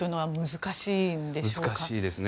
難しいですね。